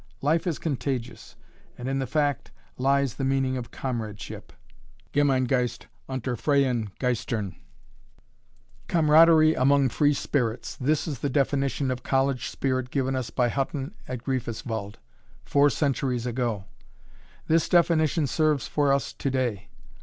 Life is contagious, and in the fact lies the meaning of Comradeship. "Gemeingeist unter freien Geistern," comradery among free spirits: this is the definition of College Spirit given us by Hutten at Greifeswald, four centuries ago. This definition serves for us today.